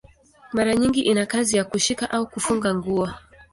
Mara nyingi ina kazi ya kushika au kufunga nguo.